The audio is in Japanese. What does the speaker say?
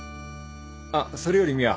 あっそれより美和。